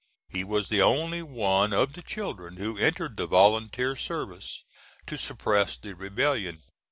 He was the only one of the children who entered the volunteer service to suppress the rebellion.